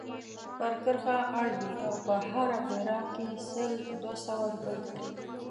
پر کرښه اړوي او په هره پيره کې سل دوه سوه روپۍ ګټي.